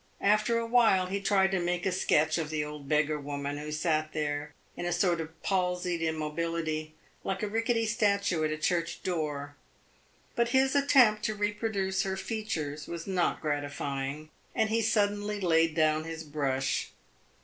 After a while he tried to make a sketch of the old beggar woman who sat there in a sort of palsied immobility, like a rickety statue at a church door. But his attempt to reproduce her features was not gratifying, and he suddenly laid down his brush.